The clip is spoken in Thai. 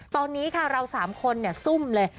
ตอนนี้เราสามคนซุ่มเลย